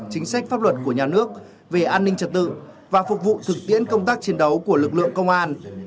chính sách pháp luật của nhà nước về an ninh trật tự và phục vụ thực tiễn công tác chiến đấu của lực lượng công an